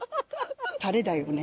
タレだよね。